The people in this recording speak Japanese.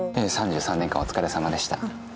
３３年間お疲れさまでした。